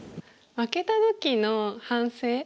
負けた時の反省。